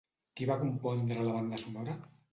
Qui va compondre la banda sonora?